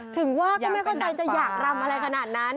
ถึงว่าก็ไม่เข้าใจจะอยากรำอะไรขนาดนั้น